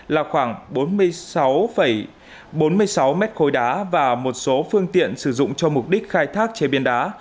là khoảng bốn mươi sáu bốn mươi sáu mét khối đá và một số phương tiện sử dụng cho mục đích khai thác chế biến đá